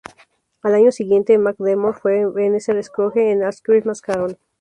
Al año siguiente, McDermott fue Ebenezer Scrooge en "A Christmas Carol".